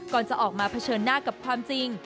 ก่อนจะออกมาเผชิญหน้ากับความจริง